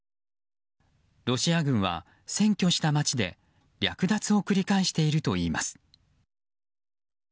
ロシア軍は占拠した街で略奪を繰り返しているといいます。